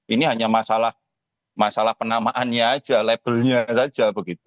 ini hanya masalah penamaannya aja label nya aja begitu